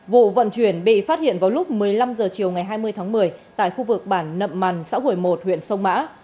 vụ vận chuyển bị phát hiện vào lúc một mươi năm h chiều ngày hai mươi tháng một mươi tại khu vực bản nậm mằn xã hồi một huyện sông mã